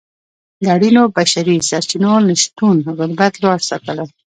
د اړینو بشري سرچینو نشتون غربت لوړ ساتلی.